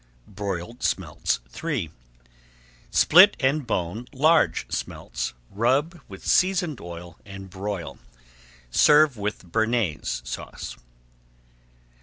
BROILED SMELTS III Split and bone large smelts, rub with seasoned oil, and broil. Serve with Bearnaise Sauce.